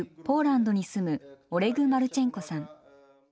ポーランドに住むオレグ・マルチェンコさん。